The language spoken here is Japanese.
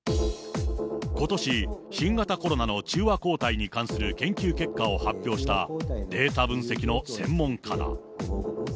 ことし、新型コロナの中和抗体に関する研究結果を発表した、データ分析の専門家だ。